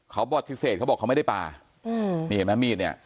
เขาบอดศิษฐ์เขาบอกเขาไม่ได้ปลานี่เห็นไหมมีดเนี่ย